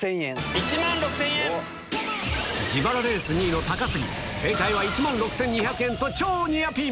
１万６０００円！自腹レース２位の高杉、正解は１万６２００円と超ニアピン。